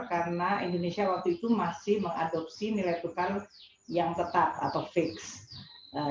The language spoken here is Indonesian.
karena kita masih mengadopsi nilai tukar yang tetap atau fixed